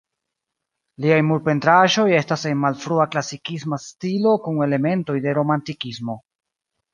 Liaj murpentraĵoj estas en malfrua klasikisma stilo kun elementoj de romantikismo.